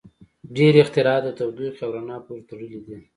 • ډېری اختراعات د تودوخې او رڼا پورې تړلي دي.